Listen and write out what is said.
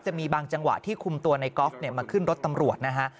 จะมีบางจังหวะที่คุมตัวในกอล์ฟมาขึ้นรถตำรวจนะฮะ